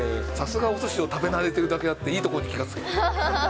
さすがおすしを食べ慣れているだけあって、いいところに気が付く。